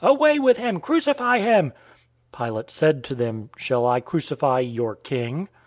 Away with him! Crucify him!" Pilate said to them, "Shall I crucify your King?"